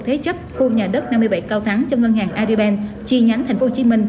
thế chấp khu nhà đất năm mươi bảy cao thắng cho ngân hàng aribank chi nhánh tp hcm